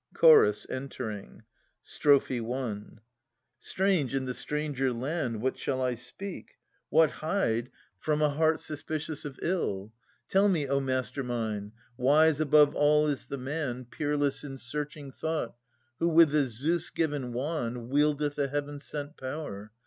Chorus {entering). Strophe I. Strange in the stranger land, What shall I speak ? What hide 272 Philoctetes [136 158 From a heart suspicious of iU? Tell me, O master mine! Wise above all is the man, Peerless in searching thought. Who with the Zeus given wand Wieldeth a Heaven sent power.